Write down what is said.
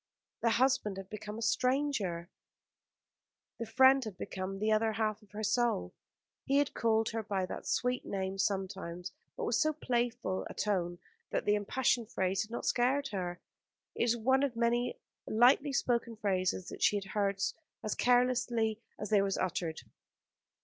The husband had become a stranger, the friend had become the other half of her soul. He had called her by that sweet name sometimes, but with so playful a tone that the impassioned phrase had not scared her. It was one of many lightly spoken phrases that she had heard as carelessly as they were uttered.